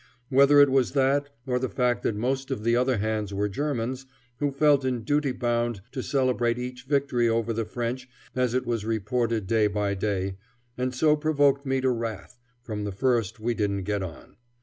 Whether it was that, or the fact that most of the other hands were Germans, who felt in duty bound to celebrate each victory over the French as it was reported day by day, and so provoked me to wrath from the first we didn't get on.